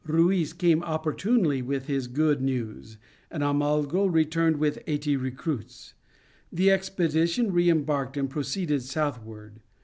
Ruiz came opportunely with his good news, and Almagro returned with eighty recruits. The expedition re embarked and proceeded southward.